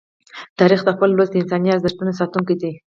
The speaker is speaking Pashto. تاریخ د خپل ولس د انساني ارزښتونو ساتونکی دی.